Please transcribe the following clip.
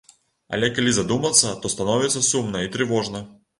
Але калі задумацца, то становіцца сумна і трывожна.